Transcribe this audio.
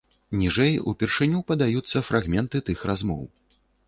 Ніжэй упершыню падаюцца фрагменты тых размоў.